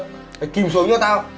thì kìm xuống cho tao